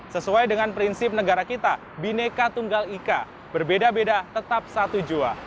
sesuai dengan prinsip negara kita bineka tunggal ika berbeda beda tetap satu jua